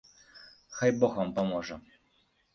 Хай бог вам паможа.